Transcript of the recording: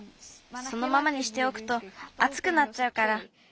そのままにしておくとあつくなっちゃうから。